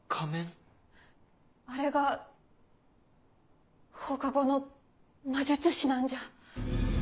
あれが放課後の魔術師なんじゃ。